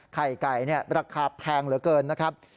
ไข่ไก่ราคาแพงเหลือเกินนะครับ